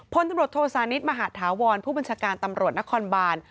พลตำรวจโทษานิทมหาธาวรผู้บัญชาการตำรวจนครบาน